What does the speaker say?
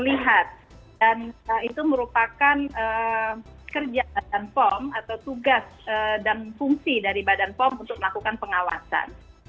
itu merupakan kerja bepom atau tugas dan fungsi dari bepom untuk melakukan pengawasan